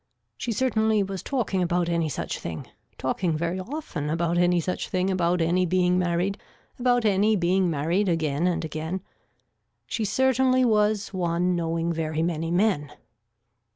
She certainly was talking about any such thing, talking very often about any such thing about any being married, about any being married again and again. She certainly was one knowing very many men.